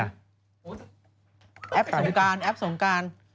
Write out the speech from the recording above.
แอปส่งการ